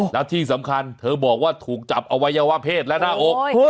แล้วที่สำคัญเธอบอกว่าถูกจับอวัยวะเพศและหน้าอก